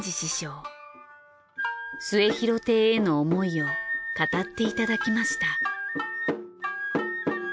『末廣亭』への思いを語っていただきました。